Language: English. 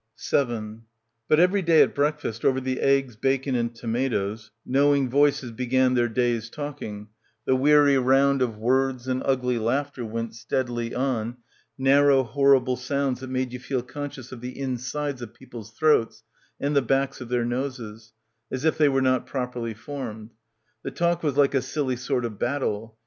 7 But every day at breakfast over the eggs, bacon and tomatoes — knowing voices began their day's talking, the weary round of words and ugly laugh ter went steadily on, narrow horrible sounds that made you feel conscious of the insides of people's throats and the backs of their noses — as if they were not properly formed. The talk was like a silly sort of battle.